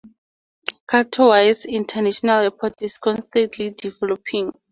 Katowice International Airport is constantly developing.